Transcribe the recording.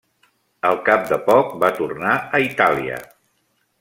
Al cap de poc va tornar a Itàlia.